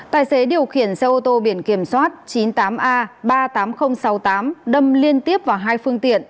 tài xế điều khiển xe ô tô biển kiểm soát chín mươi tám a ba mươi tám nghìn sáu mươi tám đâm liên tiếp vào hai phương tiện